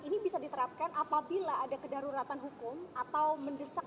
nah ini bisa diterapkan apabila ada kedaruratan hukum atau mendesakkan perangkat